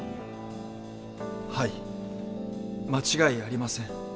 はい間違いありません。